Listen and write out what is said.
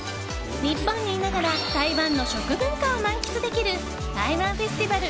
日本にいながら台湾の食文化を満喫できる台湾フェスティバル